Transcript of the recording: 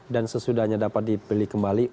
dan sesudahnya dapat dipilih kembali